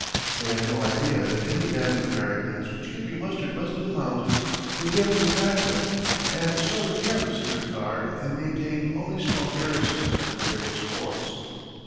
They had no idea that any band of Americans which could be mustered west of the mountains would dare to attack them, and so were careless in their guard, and maintained only small garrisons at the various forts.